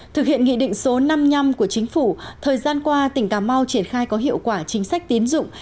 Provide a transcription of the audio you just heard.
thực hiện nghị định số năm mươi năm của chính phủ thời gian qua tỉnh cà mau triển khai có hiệu quả chính sách tín dụng